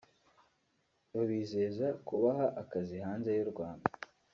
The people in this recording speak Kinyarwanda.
babizeza kuzabaha akazi hanze y’u Rwanda